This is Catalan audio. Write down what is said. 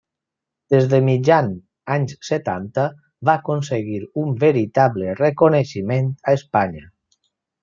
Des de mitjan anys setanta, va aconseguir un veritable reconeixement a Espanya.